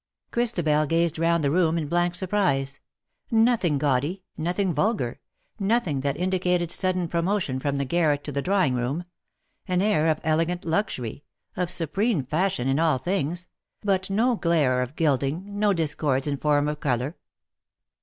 Christabel gazed round the room in blank sur prise— nothing gaudy — nothing vulgar — nothing that indicated sudden promotion from the garret to the drawing room — an air of elegant Juxury, of supreme fashion in all things — but no glare of gilding, no discords in form or colour.